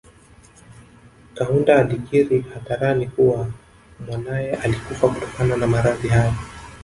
Kaunda alikiri hadharani kuwa mwanaye alikufa kutokana na maradhi hayo